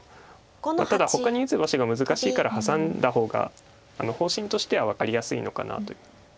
ただほかに打つ場所が難しいからハサんだ方が方針としては分かりやすいのかなという。